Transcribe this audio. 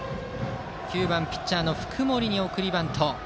９番、ピッチャーの福盛に送りバント。